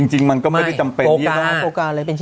จริงมันก็ไม่ได้จำเป็นเยอะมาก